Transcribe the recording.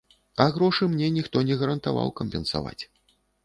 А грошы мне ніхто не гарантаваў кампенсаваць.